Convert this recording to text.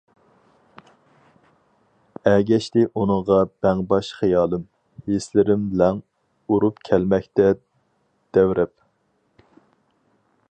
ئەگەشتى ئۇنىڭغا بەڭباش خىيالىم، ھېسلىرىم لەڭ ئۇرۇپ كەلمەكتە دەۋرەپ.